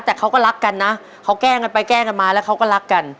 แต่เขาก็รักกันนะเขาแกล้งกันไปแกล้งกันมาแล้วเขาก็รักกัน